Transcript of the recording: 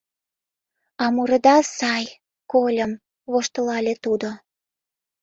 — А мурыда сай, кольым, — воштылале тудо.